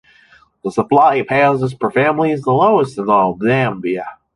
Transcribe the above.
The supply of houses per family is the lowest in all of Zambia.